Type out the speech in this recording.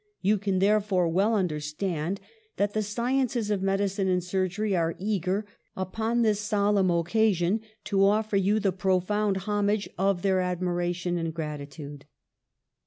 You can therefore well understand that the sciences of medicine and surgery are eager, upon this sol emn occasion, to offer you the profound homage of their admiration and gratitude."